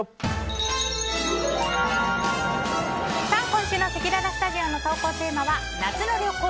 今週のせきららスタジオの投稿テーマは夏の旅行！